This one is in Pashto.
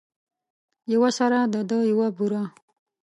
یوه سره ده یوه بوره.